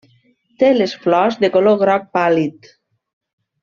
Té les flors de color groc pàl·lid.